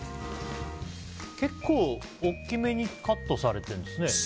結構大きめにカットされてるんですね。